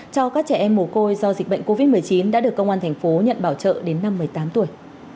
cho các trẻ em mồ côi do dịch bệnh covid một mươi chín đã được công an thành phố nhận bảo trợ đến năm một mươi tám tuổi